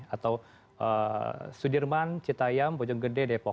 atau sudirman cita yam bojonggede depok